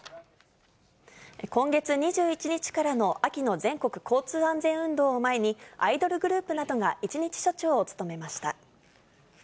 今月２１日からの秋の全国交通安全運動を前に、アイドルグループなどが１日署長を務めました。